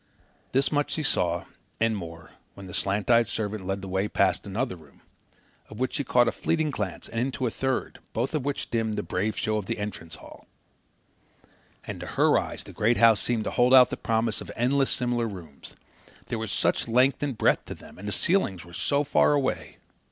This much she saw, and more, when the slant eyed servant led the way past another room of which she caught a fleeting glance and into a third, both of which dimmed the brave show of the entrance hall. And to her eyes the great house seemed to hold out the promise of endless similar rooms. There was such length and breadth to them, and the ceilings were so far away!